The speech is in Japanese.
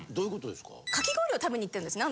かき氷を食べに行ってるんですね。